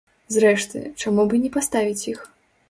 Зрэшты, чаму б і не паставіць іх?